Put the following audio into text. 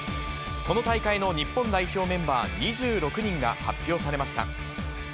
この大会の日本代表メンバー２６人が発表されました。